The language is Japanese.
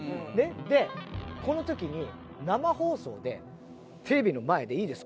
でこの時に生放送でテレビの前で「いいですか？